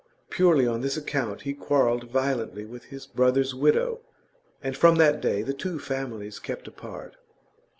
Purely on this account he quarrelled violently with his brother's widow, and from that day the two families kept apart.